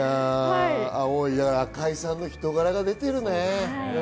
赤井さんの人柄が出てるね。